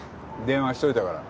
電話しといたから。